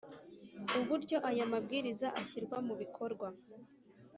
uburyo aya mabwiriza ashyirwa mu bikorwa